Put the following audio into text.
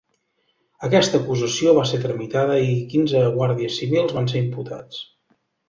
Aquesta acusació va ser tramitada i quinze guàrdies civils van ser imputats.